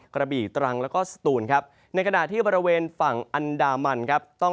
กระบี่ตรังแล้วก็สตูนครับในขณะที่บริเวณฝั่งอันดามันครับต้อง